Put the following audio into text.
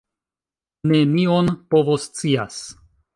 Nenion povoscias!